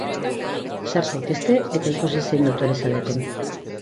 Sar zaitezte, eta ikusi zein dotore zaudeten!